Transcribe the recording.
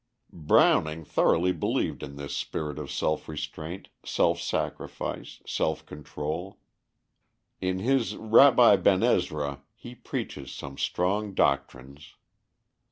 Browning thoroughly believed in this spirit of self restraint, self sacrifice, self control. In his Rabbi Ben Ezra he preaches some strong doctrines.